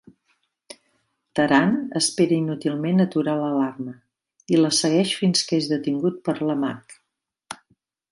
Taran espera inútilment aturar l'alarma i la segueix fins que és detingut per la Magg.